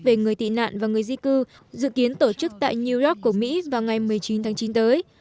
về người tị nạn và người di cư dự kiến tổ chức tại new york của mỹ vào ngày một mươi chín tháng chín tới